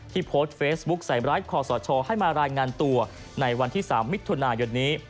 ที่โพสเฟซบุ๊กใส่ไลค์ขอสอชอให้มารายงานตัวในวันที่๓มิถุนายนนี้